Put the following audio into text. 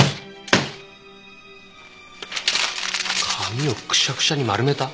「」「」紙をくしゃくしゃに丸めた？